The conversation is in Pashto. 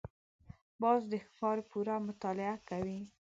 باز د ښکار پوره مطالعه کوي